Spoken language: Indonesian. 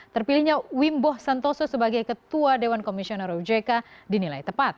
terpilihnya wimbo santoso sebagai ketua dewan komisioner ojk dinilai tepat